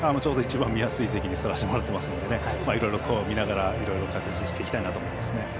ちょうど一番見やすい席に座らせていただいていますのでいろいろ見ながら解説したいと思います。